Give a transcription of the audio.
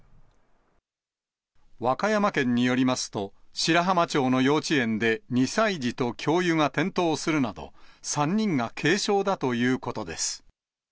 和歌山県によりますと、白浜町の幼稚園で２歳児と教諭が転倒するなど、３人が軽傷だということです。